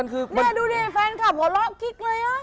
นี่ดูได้แฟนคลับหลอกคลิกเลยนะ